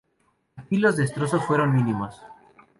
Aquí los destrozos fueron mínimos.